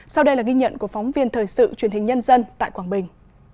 sau đây là ghi nhận của phóng viên thời sự truyền hình nhân dân tại quảng bình